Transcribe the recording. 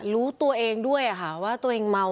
รู้ตัวเองด้วยค่ะว่าตัวเองเมา